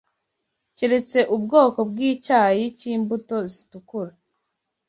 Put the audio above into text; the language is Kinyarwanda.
keretse ubwoko bw’icyayi cy’imbuto zitukura